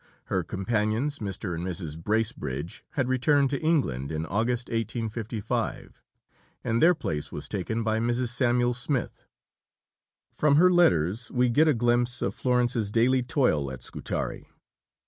Her companions, Mr. and Mrs. Bracebridge, had returned to England in August 1855, and their place was taken by Mrs. Samuel Smith. From her letters we get a glimpse of Florence's daily toil at Scutari.